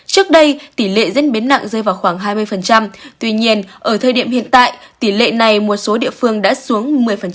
trước đây tỷ lệ diễn biến nặng rơi vào khoảng hai mươi tuy nhiên ở thời điểm hiện tại tỷ lệ này một số địa phương đã xuống một mươi